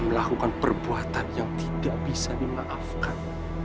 melakukan perbuatan yang tidak bisa dimaafkan